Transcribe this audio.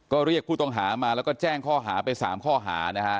ก็เรียกผู้ต้องหามาแล้วก็แจ้งข้อหาไป๓ข้อหานะฮะ